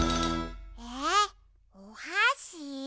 えおはし？